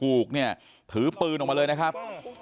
ถูกเนี่ยถือปืนออกมาเลยนะครับ